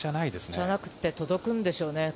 じゃなくても届くんでしょうね。